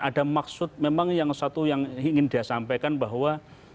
ada maksud memang yang satu yang ingin dia sampaikan bahwa